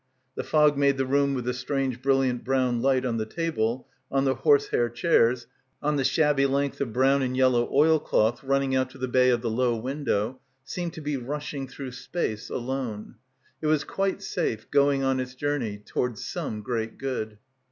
The fog made the room with the strange brilliant brown light on the table, on the horsehair chairs, on the 9habby length of brown and yellow oilcloth — 113 — PILGRIMAGE running out to the bay of the low window, seem to be rushing through space, alone. It was quite safe, going on its journey — towards some great good.